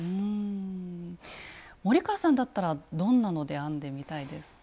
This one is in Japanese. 森川さんだったらどんなので編んでみたいですか？